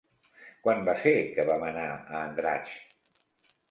Quan va ser que vam anar a Andratx?